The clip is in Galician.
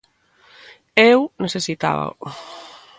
Eu necesitábao;